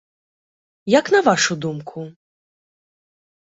Як на вашу думку?